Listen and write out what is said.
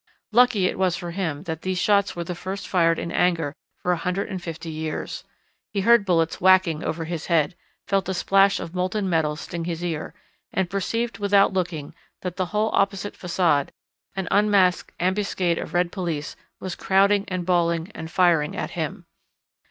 Lucky it was for him that these shots were the first fired in anger for a hundred and fifty years. He heard bullets whacking over his head, felt a splash of molten metal sting his ear, and perceived without looking that the whole opposite façade, an unmasked ambuscade of red police, was crowded and bawling and firing at him.